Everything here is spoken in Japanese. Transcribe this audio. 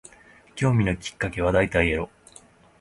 興味のきっかけは大体エロ